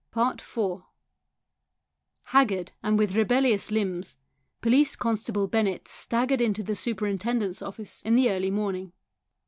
IV Haggard and with rebellious limbs, Police constable Bennett staggered into the super intendent's office in the early morning.